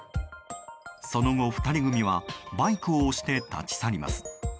その後、２人組はバイクを押して立ち去ります。